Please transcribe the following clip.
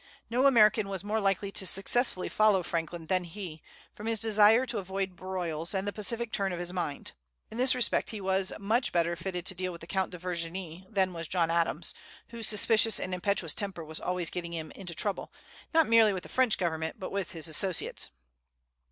No American was more likely to successfully follow Franklin than he, from his desire to avoid broils, and the pacific turn of his mind. In this respect he was much better fitted to deal with the Count de Vergennes than was John Adams, whose suspicious and impetuous temper was always getting him into trouble, not merely with the French government, but with his associates.